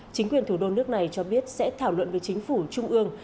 chính quyền thủ đô nước này cho biết sẽ thảo luận với chính phủ trung ương